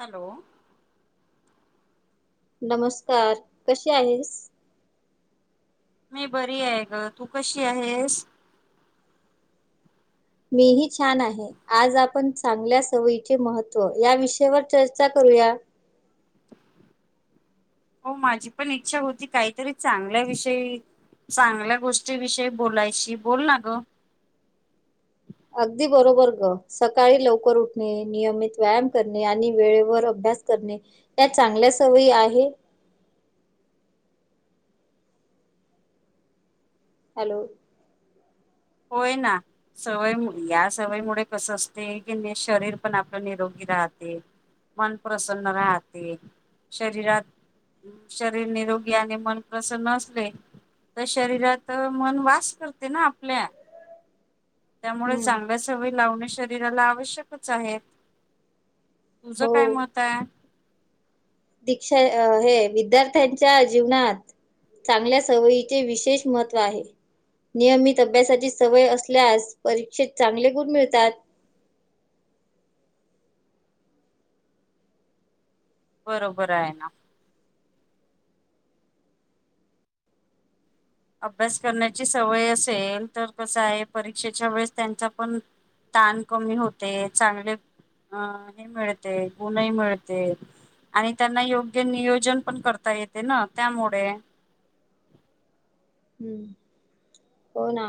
Hello नमस्कार कसे आहेस? मी बरी आहे ग तू कशी आहेस. मीही छान आहे. आज आपण चांगल्या सवयीचे महत्त्व या विषयावर चर्चा करूया? हो माझी पण इच्छा होती काहीतरी चांगल्या विषयी, चांगल्या गोष्टीविषयी बोलायची बोल ना ग- अगदी बरोबर ग सकाळी लवकर उठणे नियमित व्यायाम करणे आणि वेळेवर अभ्यास करणे. त्या चांगल्या सवयी आहे हॅलो होय ना सवय या सवयी मुळे कस असते की शरीर पण आपलं निरोगी राहते. मन प्रसन्न राहते शरीरात. शरीर निरोगी आणि मन प्रसन्न असले, तर शरीरात मन वास करते ना आपल्या, त्यामुळे हम्म चांगल्या सवयी लावणे शरीराला आवश्यकच आहेत. तुझं हो काय मत आहे. दीक्षा हे विद्यार्थ्यांच्या जीवनात, चांगल्या सवयीचे विशेष महत्त्व आहे. नियमित अभ्यासाची सवय असल्यास परीक्षेत चांगले गुण मिळतात. बरोबर आहे ना. अभ्यास करण्याची सवय असेल तर कस आहे परीक्षेच्या वेळेस त्यांचा पण, ताण कमी होते चांगले अं हे मिळते गुणही मिळते. आणि त्यांना योग्य नियोजन पण करता येते ना त्यामुळे, हम्म हो ना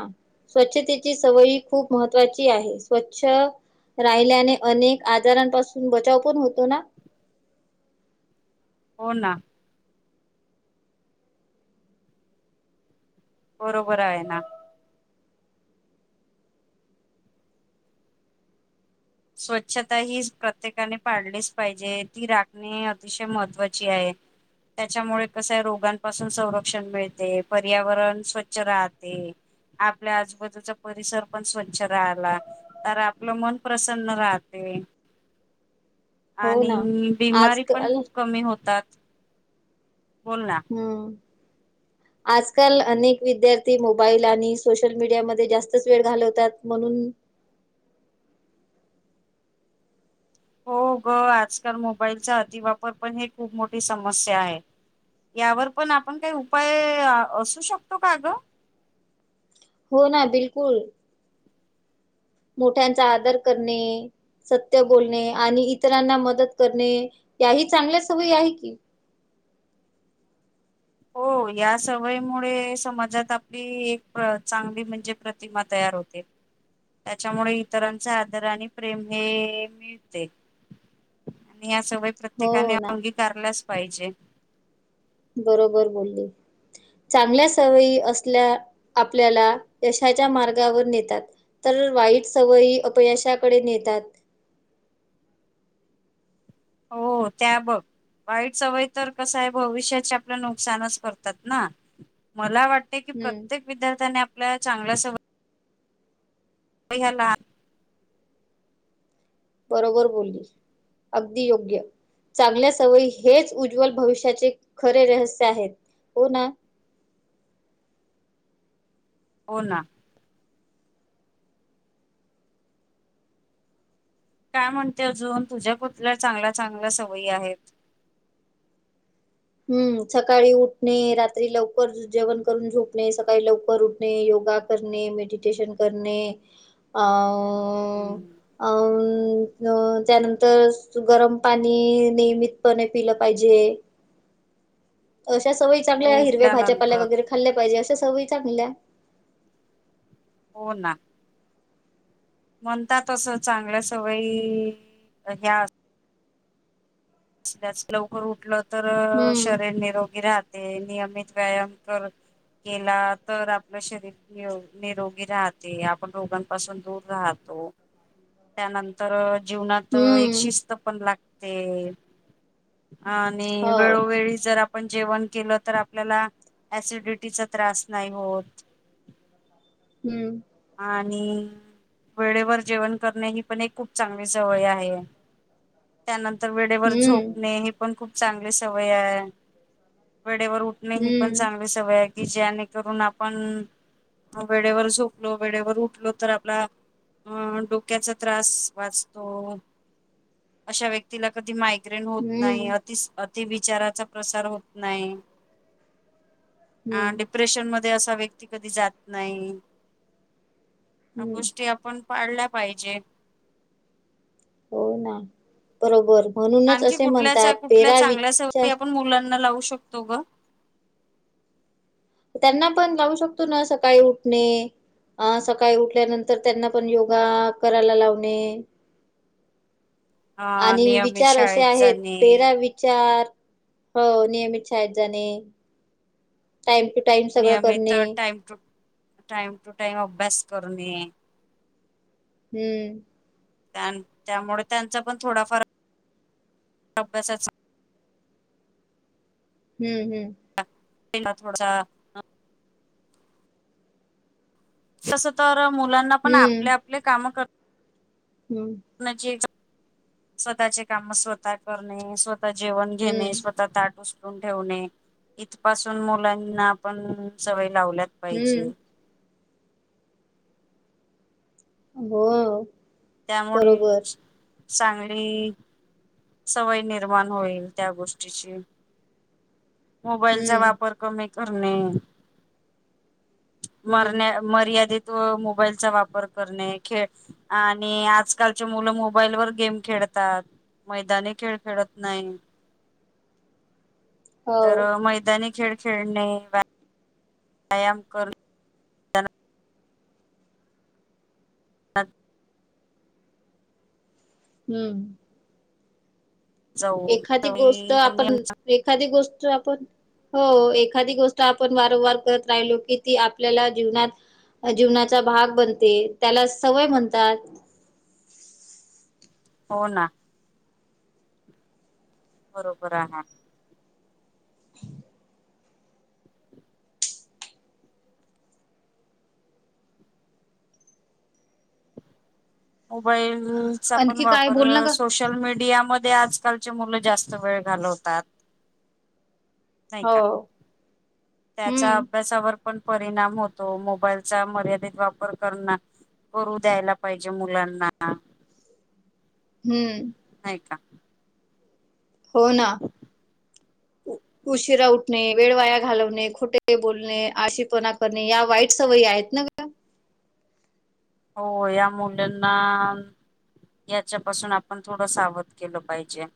स्वच्छतेची सवयी खूप महत्त्वाची आहे स्वच्छ, राहिल्याने अनेक आजारांपासून बचाव पण होतो ना? हो ना. बरोबर आहे ना. स्वच्छता ही प्रत्येकाने पाडलीच पाहिजे ती राखणे अतिशय महत्त्वाची आहे. त्याच्यामुळे कसय रोगांपासून संरक्षण मिळते पर्यावरण स्वच्छ राहते. आपल्या आजूबाजूचा परिसर पण स्वच्छ राहिला तर आपलं मन पण, प्रसन्न राहते. हो आणि ना बिमारी पण आजकाल खूप कमी होतात. बोल ना हम आजकाल अनेक विद्यार्थी मोबाईल आणि सोशल मीडियामध्ये जास्तच वेळ घालवतात म्हणून, हो ग आजकाल मोबाईलचा अतिवापर पण हे खूप मोठी समस्या आहे. यावर पण आपण काही उपाय असू शकतो का ग? हो ना बिलकुल. मोठ्यांचा आदर करणे. सत्य बोलणे आणि इतरांना मदत करणे याही चांगल्या सवयी आहे की. हो या सवयीमुळे समाजात आपली एक चांगली म्हणजे प्रतिमा तयार होते. त्याच्यामुळे इतरांचा आदर आणि प्रेम हे मिळते. आणि या सवय प्रत्येकाने हो ना अंगीकारलाच पाहिजे. बरोबर बोलली. चांगल्या सवयी असल्या आपल्याला यशाच्या मार्गावर नेतात. तर वाईट सवयी अपयशाकडे नेतात. हो त्या बघ. वाईट सवय तर कस आहे भविष्याचे आपलं नुकसानच करतात ना मला वाट- हम्म प्रत्येक विद्यार्थ्या आपल्या चांग- वई हला [unintelligible] बरोबर बोललीस अगदी योग्य. चांगल्या सवयी हेच उज्ज्वल भविष्याचे खरे रहस्य आहेत हो ना. हो ना. काय म्हणते अजून तुझ्या कुठल्या चांगल्या चांगल्या सवयी आहेत. हम्म सकाळी उठणे रात्री लवकर जेवण करून झोपणे सकाळी लवकर उठणे योगा करणे मेडिटेशन करणे. अ हम्म त्यानंतर गरम पाणी नियमितपणे पिलं पाहिजे. अशा सवय चांगल्या हो हिरव्या भाज्यापाल्या उठल्यानंतर वगैरे खाल्ल्या पाहिजे अशा सवय चांगल्या हो ना. म्हणतात असं चांगल्या सवयी ह्या असल्याच लवकर उठलं तर हम्म शरीर निरोगी राहत. ते नियमित व्यायाम कर केला तर आपलं शरीर नि निरोगी राहते आपण रोगांपासून दूर राहतो. [inaudible] त्यानंतर जीवनात एक हम्म शिस्त पण लागते. आणि हो वेळोवेळी जर आप आपण जेवण केलं तर आपल्याला ऍसिडिटीचा त्रास नाही होत. हम्म. आणि वेळेवर जेवण करणे ही पण एक खूप चांगली सवय आहे त्यानंतर वेळेवर हम्म झोपणे हे पण खूप चांगली सवय आहे, वेळेवर उठणे ही पण हम्म चांगली सवय आहे की ज्याने करून आपण वेळेवर झोपू लो वेळेवर उठलो तर आपला अं डोक्याचा त्रास वाचतो. अशा व्यक्तीला कधी माय होत नाही हम्म अतिविचाराचा प्रसार होत नाही. अ हम्म डिप्रेशन मध्ये असा व्यक्ती कधी जात नाही. ह्या हम्म गोष्टी आपण पाळल्या पाहिजे. हो ना बरोबर म्हणूनच आणखी असे कुठल्या म्हणतात कुठल्या तेरा चांगल्या विचार सवयी आपण मुलांना लावू शकत तो का त्यांना पण लावू शकतो ना सकाळी उठणे अ सकाळी उठल्यानंतर त्यांना पण योगा करायला लावणे. अ आणि नियमित विचार असे शाळेत आहेत जाणे तेरा वि चार हो नियमित शाळेत जाणे. टाइम टू टाइम सगळ नियमित करणे. Time to time to time अभ्यास करणे. हम्म. त्यामुळे त्यांचा पण थोडाफार अभ्यासा चा हम्म हम्म. इला थोडा तसं तर मुलांना पण हम्म, आपले आपले काम कर हम्म. णा स्वतः चे काम स्वतः करणे स्वः जेवण घेणे हम्म, स्वतः ताट उचलून उचलून ठेवणे इथपासून मुलांना पण सवय लावल्यात पाहिजे. हम्म. हो. त्यामुळे बरोबर. चांगली सवय निर्माण होईल त्या गोष्टीची मोबाईलचा हम्म, वापर कमी करणे हम्म. मरण्या मर्यादेत मोबाईलचा वापर करणे खेळ आणि आजकालचे मुलं मोबाईल वर गेम खेळतात मैदानी खेळ खेळत नाही. हो, तर मैदानी खेळ खेळणे, व्यायाम करणे. अच [unintelligible] हम्म. जाऊन एखादी गोष्ट आपण, एखादी गोष्ट आपण हो एखादी गोष्ट आपण वारंवार करत राहिलो की ती आपल्याला जीवनात जीवनाचा भाग बनते त्याला सवय म्हणतात. हो ना, बरोबर आहे. मोबाईलचा पण आणखी काय वापर बोल ना सो गं? सोशल मीडियामध्ये आजकालचे मुलं जास्त वेळ घालवतात. हो. त्याच्या हम्म, अभ्यासावर पण परिणाम होतो मोबाईलचा मर्यादित वापर करना करू द्यायला पाहिजे मुलांना. हम्म. नाहीय का? हो ना. उशीरा उठणे, वेळ वाया घालवणे, खोटे बोलणे, आळशी पणा करणे, या वाईट सवयी आहेत ना? हो या [unintelligible] मुंडंना याच्यापासून आपण थोडं सावध केलं पाहिजे.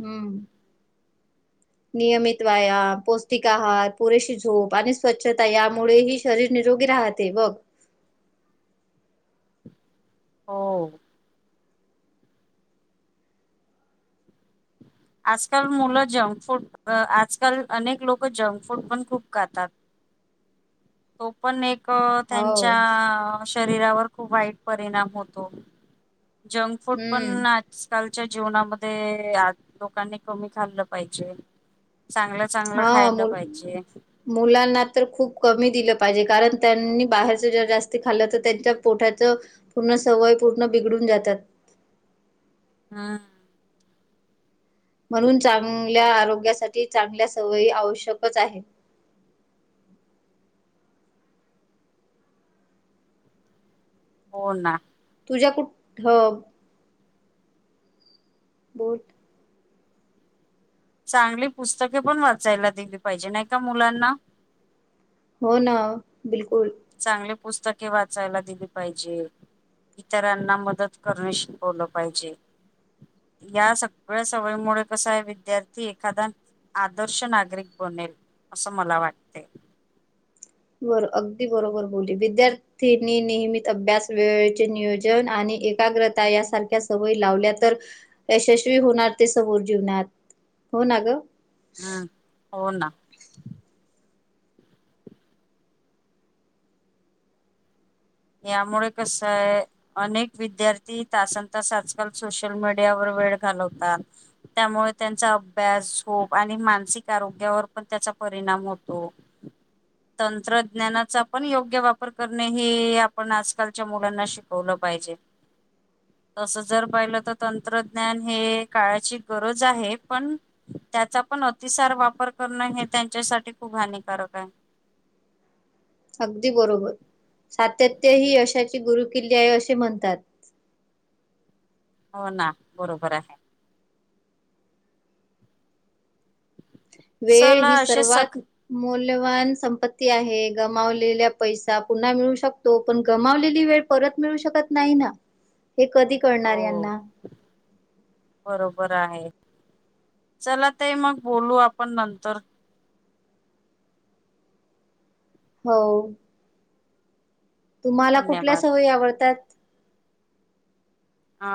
हम्म नियमित व्यायाम, पौष्टिक आहार, पुरेशी झोप आणि स्वच्छता यामुळे ही शरीर निरोगी राहते बघ हो. आजकाल मुलं जंक फूड अ- आजकाल अनेक लोक जंक फूड पण खूप खातात. तो पण एक हो त्यांच्या शरीरावर खूप वाईट परिणाम होतो. जंक फूड हम्म पण आजकालच्या जीवनामध्ये लोकांनी कमी खाल्लं पाहिजे. चांगल्या हा मुल मुलांना तर खूप कमी दिलं पाहिजे कारण त्यांनी बाहेरच जर जास्त खाल्लं तर त्यांच्या पोठाचं पूर्ण सवय पूर्ण बिघडून जातात. हा. म्हणून चांगल्या आरोग्यासाठी चांगल्या सवयी आवश्यकच आहे. हो ना. तुझ्या कुठ, हो बोल. चांगली पुस्तके पण वाचायला दिली पाहिजे नाही का मुलांना. हो ना, बिलकुल चांगले पुस्तके वाचायला दिली पाहिजे. इतरांना मदत करणे शिकवलं पाहिजे. या सगळ्या सवयीमुळे कस आहे विद्यार्थी एखादा आदर्श नागरिक बनेल असं मला वाटते. बर अगदी बरोबर बोलली विद्यार्थी त्यानी नियमित अभ्यास वेळेचे नियोजन आणि एकाग्रता यासारख्या सवयी लावल्या तर यशस्वी होणार ते समोर जीवनात, हो ना ग. हम्म, हो ना. यामुळे कसय अनेक विद्यार्थी तासन तास आजकाल सोशल मीडियावर वेळ घालवतात. त्यामुळे त्यांचा अभ्यास झोप आणि मानसिक आरोग्यावर पण त्याचा परिणाम होतो. [inaudible] तंत्रज्ञानाचा पण योग्य वापर करणे हे आ पण आजकालच्या मुलांना शिकवलं पाहिजे. तसं जर पाहिलं तर तंत्रज्ञान हे काळाची गरज आहे पण त्याचा पण अतिसार वापर करणं हे त्यांच्यासाठी खूप हानिकारक आहे. अगदी बरोबर सातत्य ही यशाची गुरुकिल्ली आहे अशे म्हणतात. हो ना बरोबर आहे. वेळ चला ही असे सर्वात सख मौल्यवान संपत्ती आहे गमावलेल्या पैसा पुन्हा मिळू शक तो पण गमावलेली वेळ परत मिळू शकत नाही ना हे कधी कळणार हो यांना? बरोबर आहे. चला ताई मग बोलू आपण नंतर. हो. तुम्हाला कुठल्या धन्यवाद सवयी आवडतात? आ.